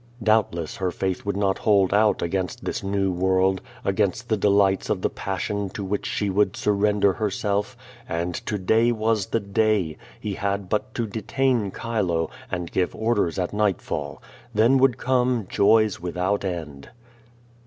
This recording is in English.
Doubtless her faith would not Ijold out against this new world, against the delights of the passion to which she would surrender herself. And to dav was the day! He had but to detain Chilo, and give orders at nightfall. Then would come joys without end.